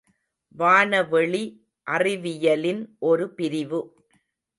வானவெளி அறிவியலின் ஒரு பிரிவு.